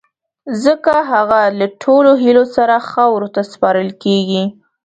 ځڪه هغه له ټولو هیلو سره خاورو ته سپارل کیږی